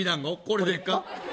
これでっか？